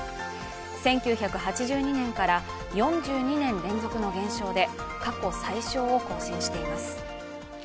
１９８２年から４２年連続の減少で過去最少を更新しています。